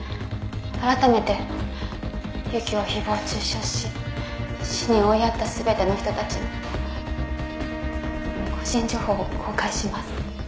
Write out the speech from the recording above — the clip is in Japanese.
「改めてＹＵＫＩを誹謗中傷し死に追いやった全ての人たちの個人情報を公開します」